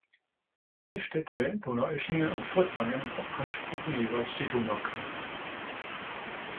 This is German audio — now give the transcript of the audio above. Zwei Städte, Donaueschingen und Furtwangen, beanspruchen jeweils die Donauquelle.